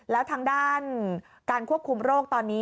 แล้วทางด้านการควบคุมโรคตอนนี้